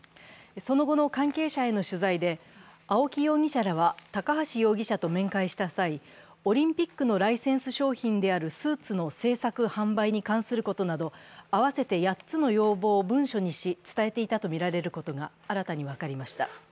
その後の関係者への取材で青木容疑者らは高橋容疑者と面会した際オリンピックのライセンス商品であるスーツの制作・販売に関することなど、合わせて８つの要望を文書にし伝えていたとみられることが新たに分かりました。